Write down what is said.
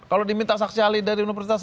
kalau diminta saksi ahli dari universitas